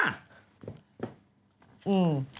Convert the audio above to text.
ทำไม